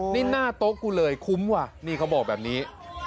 นี่หน้าโต๊ะกูเลยคุ้มว่ะนี่เขาบอกแบบนี้